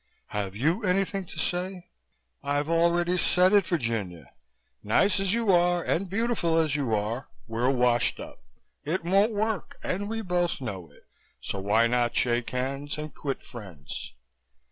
"Have you anything to say?" "I've already said it, Virginia. Nice as you are and beautiful as you are, we're washed up. It won't work and we both know it. So why not shake hands and quit friends?"